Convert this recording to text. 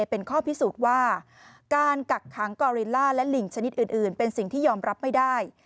เป็นข้อพิสูจน์ว่าการกักขังกอริล่าและลิงชนิดอื่นเป็นสิ่งที่ยอมรับไม่ได้